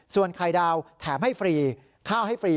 ส่วนไข่ดาวแถมให้ฟรีข้าวให้ฟรี